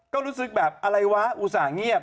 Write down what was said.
ก็รู้สึกแบบอะไรวะอุตส่าห์เงียบ